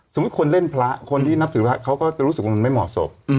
คนเล่นพระคนที่นับถือพระเขาก็จะรู้สึกว่ามันไม่เหมาะสม